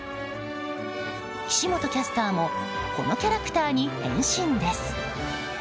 岸本キャスターもこのキャラクターに変身です。